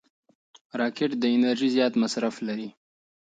راکټ د انرژۍ زیات مصرف لري